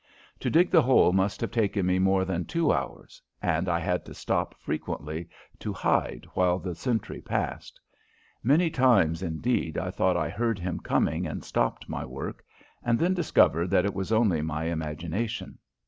To dig the hole must have taken me more than two hours, and I had to stop frequently to hide while the sentry passed. Many times, indeed, I thought I heard him coming and stopped my work, and then discovered that it was only my imagination.